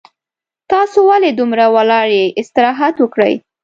تاسو ولې دومره ولاړ یي استراحت وکړئ